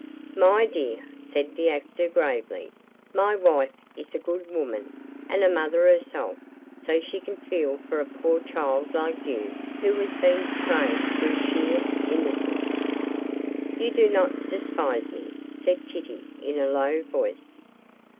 'My dear,' said the actor, gravely, 'my wife is a good woman, and a mother herself, so she can feel for a poor child like you, who has been betrayed through sheer innocence.' 'You do not despise me?' said Kitty, in a low voice.